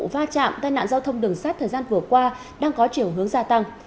và có chiều hướng gia tăng